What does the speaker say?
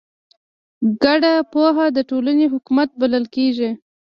ګډه پوهه د ټولنې حکمت بلل کېږي.